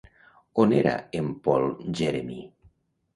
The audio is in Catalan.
D'on era en Paul Jérémie?